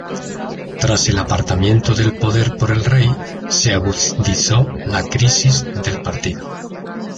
Tras el apartamiento del poder por el rey se agudizó la crisis del partido.